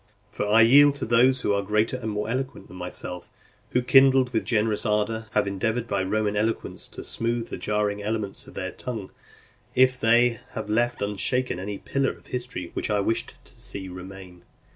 For I yield to those who are greater and more eloquent than myself, who, kindled with generous ardour, have endeavoured by Roman eloquence to smooth the jarring elements of their tongue, if they have left unshaken any pillar of history which I wished to see remain.